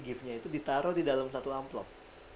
giftnya itu ditaruh di dalam satu amplop